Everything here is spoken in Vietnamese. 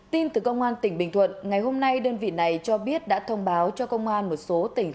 tin từ công an tỉnh bình thuận ngày hôm nay đơn vị này cho biết đã thông báo cho công an một số tỉnh